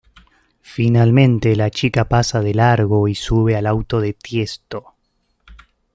Finalmente la chica pasa de largo y sube al auto de Tiesto.